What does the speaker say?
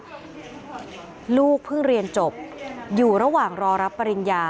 เศรษฐาบอกว่าลูกเพิ่งเรียนจบอยู่ระหว่างรอรับปริญญา